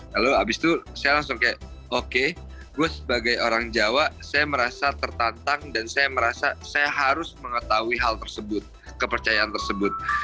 lalu abis itu saya langsung kayak oke gue sebagai orang jawa saya merasa tertantang dan saya merasa saya harus mengetahui hal tersebut kepercayaan tersebut